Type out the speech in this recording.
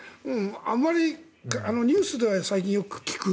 あまりニュースでは最近よく聞く。